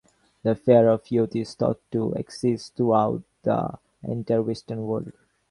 The fear of youth is thought to exist throughout the entire Western world.